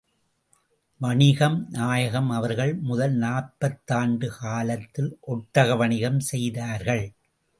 வணிகம் நாயகம் அவர்கள் முதல் நாற்பதாண்டுக் காலத்தில், ஒட்டக வணிகம் செய்தார்கள்.